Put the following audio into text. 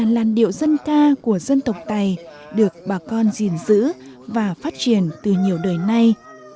làn điệu dân ca của dân tộc tày được bà con gìn giữ và phát triển từ nhiều đời nay